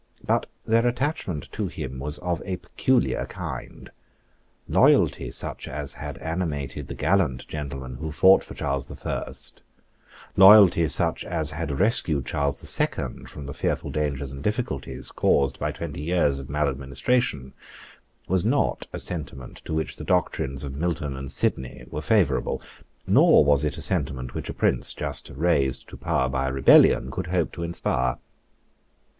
But their attachment to him was of a peculiar kind. Loyalty such as had animated the gallant gentlemen who fought for Charles the First, loyalty such as had rescued Charles the Second from the fearful dangers and difficulties caused by twenty years of maladministration, was not a sentiment to which the doctrines of Milton and Sidney were favourable; nor was it a sentiment which a prince, just raised to power by a rebellion, could hope to inspire.